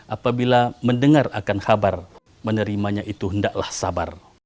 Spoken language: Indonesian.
apabila mendengar akan kabar menerimanya itu hendaklah sabar